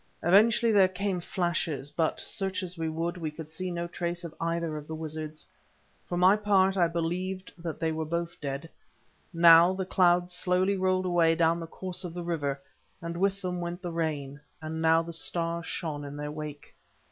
Occasionally there still came flashes, but, search as we would, we could see no trace of either of the wizards. For my part, I believed that they were both dead. Now the clouds slowly rolled away down the course of the river, and with them went the rain; and now the stars shone in their wake.